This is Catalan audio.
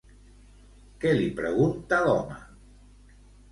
Què li pregunta l'home?